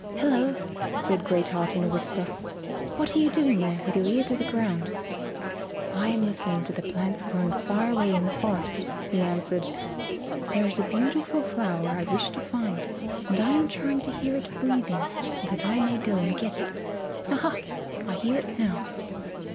"Hello," said Great Heart in a whisper, "what are you doing there with your ear to the ground?" "I am listening to the plants growing far away in the forest," he answered. "There is a beautiful flower I wish to find, and I am trying to hear it breathing so that I may go and get it. Aha! I hear it now."